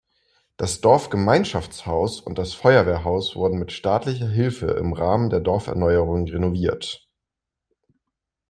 Das Dorfgemeinschaftshaus und das Feuerwehrhaus wurden mit staatlicher Hilfe im Rahmen der Dorferneuerung renoviert.